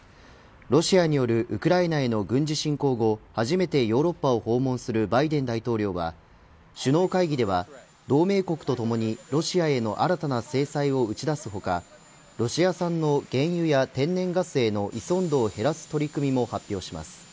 ロシアによるウクライナへの軍事侵攻後初めてヨーロッパを訪問するバイデン大統領は首脳会議では同盟国とともにロシアへの新たな制裁を打ち出す他ロシア産の原油や天然ガスへの依存度を減らす取り組みも発表します。